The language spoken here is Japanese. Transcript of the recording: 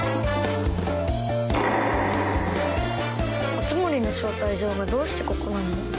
熱護の招待状がどうしてここなの？